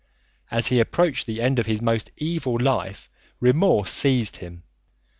As he approached the end of his most evil life remorse seized him.